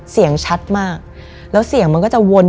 เสียงชัดมากแล้วเสียงมันก็จะวน